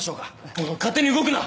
おい勝手に動くな！